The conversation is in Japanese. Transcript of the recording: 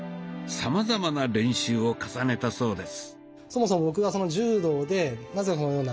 さまざまな練習を重ねたそうです。